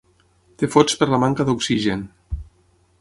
Et fots per la manca d'oxigen.